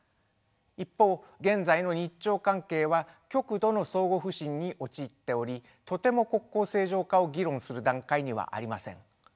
一方現在の日朝関係は極度の相互不信に陥っておりとても国交正常化を議論する段階にはありません。